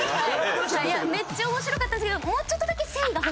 いやめっちゃ面白かったんですけど。